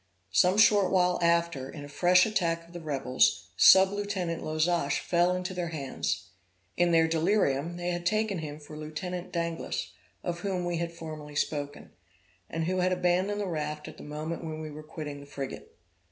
Some short while after, in a fresh attack of the rebels, sub lieutenant Lozach fell into their hands. In their delirium, they had taken him for Lieutenant Danglas, of whom we have formerly spoken, and who had abandoned the raft at the moment when we were quitting the frigate.